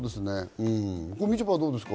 みちょぱはどうですか？